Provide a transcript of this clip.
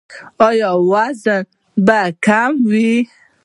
ایا وزن به کموئ؟